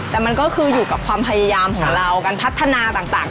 แต่มันก็คืออยู่กับความพยายามของเราการพัฒนาต่าง